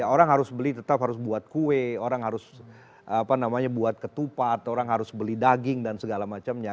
orang harus beli tetap harus buat kue orang harus buat ketupat orang harus beli daging dan segala macamnya